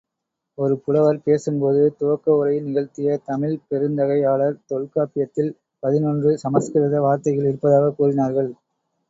ஒரு புலவர் பேசும்போது, துவக்க உரை நிகழ்த்திய தமிழ்ப் பெருந்தகையாளர் தொல்காப்பியத்தில் பதினொன்று சமஸ்கிருத வார்த்தைகள் இருப்பதாகக் கூறினார்கள்.